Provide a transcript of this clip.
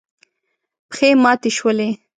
پښې ماتې شولې.